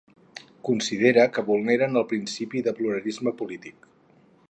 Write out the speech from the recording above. Considera que vulneren el principi de pluralisme polític.